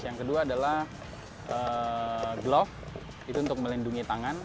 yang kedua adalah glock itu untuk melindungi tangan